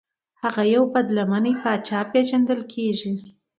هغه یو بد لمنی پاچا پیژندل کیږي.